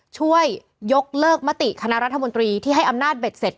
ช่วยยกเลิกมติคณะรัฐมนตรีที่ให้อำนาจเบ็ดเสร็จ